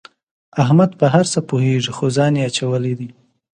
احمد په هر څه پوهېږي خو ځان یې اچولی دی.